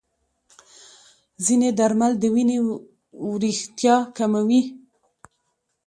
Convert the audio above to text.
ځینې درمل د وینې وریښتیا کموي.